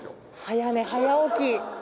早寝早起き。